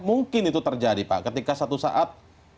mungkin itu terjadi pak ketika satu saat